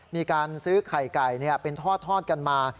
มีการซื้อไข่ไก่เป็นทอดกันมา